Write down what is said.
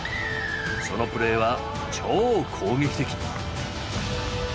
そのプレーは「超攻撃的」。